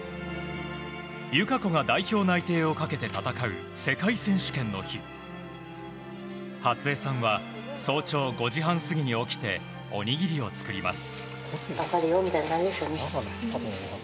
友香子が代表内定をかけて戦う世界選手権の日初江さんは早朝５時半過ぎに起きておにぎりを作ります。